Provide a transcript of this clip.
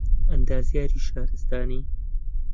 ئەندازیاریی شارستانی